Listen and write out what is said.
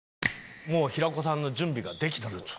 もう平子さんの準備ができたそうです。